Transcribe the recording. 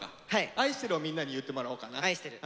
「愛してる」をみんなに言ってもらおうかな。